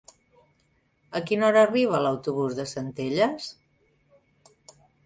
A quina hora arriba l'autobús de Centelles?